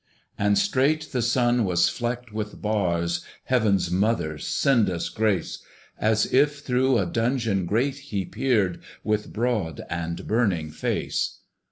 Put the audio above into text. And straight the Sun was flecked with bars, (Heaven's Mother send us grace!) As if through a dungeon grate he peered, With broad and burning face.